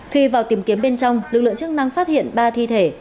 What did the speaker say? khi vào tìm kiếm bên trong lực lượng chức năng phát hiện ba thi thể